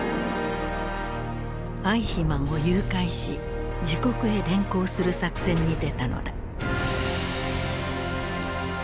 アイヒマンを誘拐し自国へ連行する作戦に出たのだ。